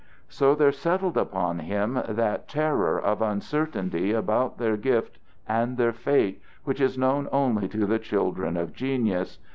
So there settled upon him that terror of uncertainty about their gift and their fate which is known only to the children of genius.